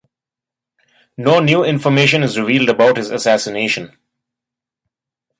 No new information is revealed about his assassination.